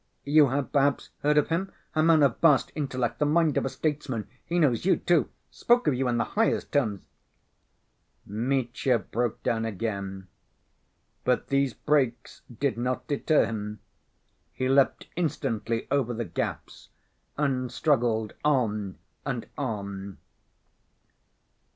You have perhaps heard of him? A man of vast intellect, the mind of a statesman ... he knows you, too ... spoke of you in the highest terms ..." Mitya broke down again. But these breaks did not deter him. He leapt instantly over the gaps, and struggled on and on.